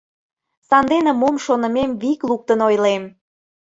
Сандене мом шонымем вик луктын ойлем.